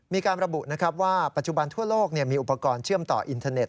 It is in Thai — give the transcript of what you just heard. มีการระบุนะครับว่าปัจจุบันทั่วโลกมีอุปกรณ์เชื่อมต่ออินเทอร์เน็